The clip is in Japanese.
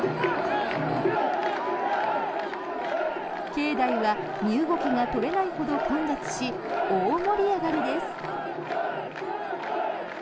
境内は身動きが取れないほど混雑し大盛り上がりです。